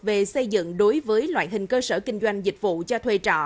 về xây dựng đối với loại hình cơ sở kinh doanh dịch vụ cho thuê trọ